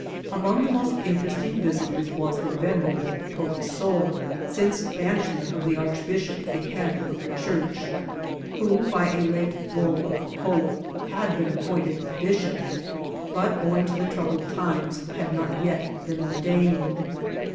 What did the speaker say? Among the most inter^* estiog visiters was the venerable provesor, since the banishment of the archbiriiop the head of the chnroh^ who, by a late bull of the pope, had been appointed bishop ; but, owing to the troubled times, had not yet been ordained.